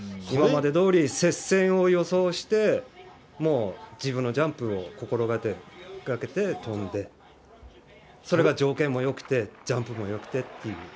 今までどおり、接戦を予想して、もう自分のジャンプを心がけて飛んで、それが条件もよくて、ジャンプもよくてっていう。